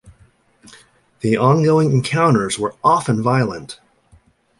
The ongoing encounters were often violent.